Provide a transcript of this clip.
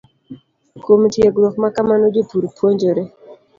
Kuom tiegruok ma kamano, jopur puonjore